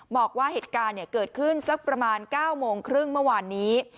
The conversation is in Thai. บอกว่าเหตุการณ์เกิดขึ้นสักประมาณ๙โมงครึ่งเมื่อวานนี้